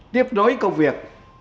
tiếp nối công việc